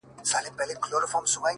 زما په ژوند کي د وختونو د بلا ياري ده ـ